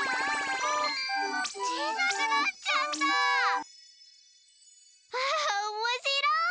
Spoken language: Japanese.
ちいさくなっちゃった！わおもしろい！